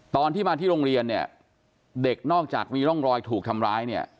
ตอนที่มาที่โรงเรียนเนี่ยเด็กนอกจากมีร่องรอยถูกทำร้ายเนี่ย